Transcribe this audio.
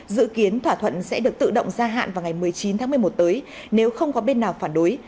dự kiến thỏa thuận sẽ được tự động gia hạn vào ngày một mươi chín tháng một mươi một tới nếu không có bên nào phản đối